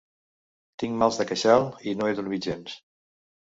Tinc mals de queixal i no he dormit gens.